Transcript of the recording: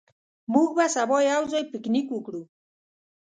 موږ به سبا یو ځای پکنیک وکړو.